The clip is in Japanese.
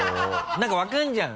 何か分かるじゃん！